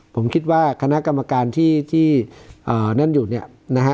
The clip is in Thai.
ผมคิดว่าคณะกรรมการที่นั่นอยู่เนี่ยนะฮะ